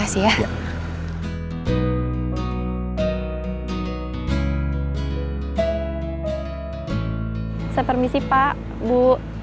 saya permisi pak bu